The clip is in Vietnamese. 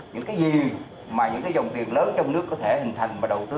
những cái gì mà những cái dòng tiền lớn trong nước có thể hình thành và đầu tư